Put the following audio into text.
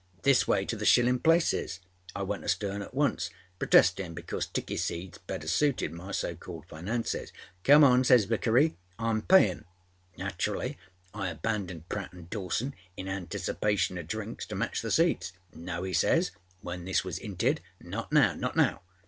This way to the shillinâ places!â I went astern at once, protestinâ because tickey seats better suited my so called finances. âCome on,â says Vickery, âIâm payinâ.â Naturally I abandoned Pratt and Dawson in anticipation oâ drinks to match the seats. âNo,â he says, when this was âintedâânot now. Not now.